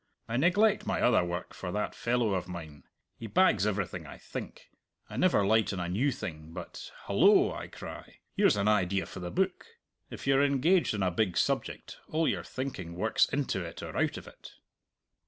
I neglect my other work for that fellow of mine; he bags everything I think. I never light on a new thing, but 'Hullo!' I cry, 'here's an idea for the book!' If you are engaged on a big subject, all your thinking works into it or out of it."